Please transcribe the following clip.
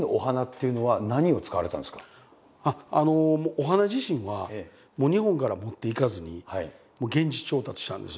お花自身は日本から持っていかずに現地調達したんです。